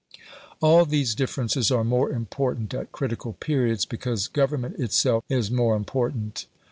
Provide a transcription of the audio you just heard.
All these differences are more important at critical periods, because government itself is more important.